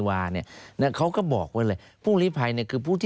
เหตุผลน